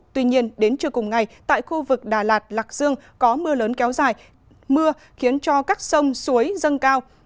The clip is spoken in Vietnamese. tuy nhiên đến trưa cùng ngày tại khu vực đà lạt lạc dương có mưa lớn kéo dài mưa khiến cho các sông suối dâng cao